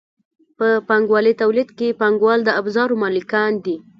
په پانګوالي تولید کې پانګوال د ابزارو مالکان دي.